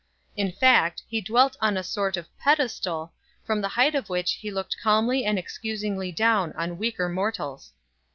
In fact, he dwelt on a sort of pedestal, from the hight of which he looked calmly and excusingly down on weaker mortals.